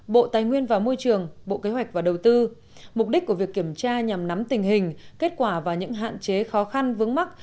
bộ tài nguyên và môi trường bộ kế hoạch và đầu tư mục đích của việc kiểm tra nhằm nắm tình hình kết quả và những hạn chế khó khăn vướng mắt